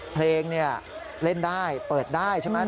เพลงเล่นได้เปิดได้ใช่ไหม